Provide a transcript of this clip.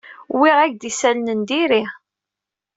Wwiɣ-ak-d isalan n diri.